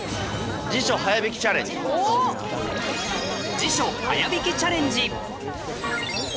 辞書早引きチャレンジ。